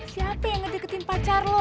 siapa yang ngedeketin pacar lo